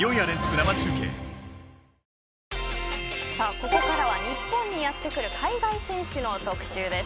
ここからは日本にやって来る海外選手の特集です。